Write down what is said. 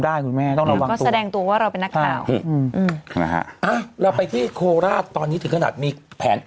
ได้คุณแม่ก็แสดงตัวว่าเราเป็นนักกล่าวอ่าเราไปที่โคลาตอนนี้ถึงขนาดมีแผน